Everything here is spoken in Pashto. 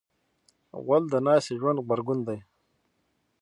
غول د ناستې ژوند غبرګون دی.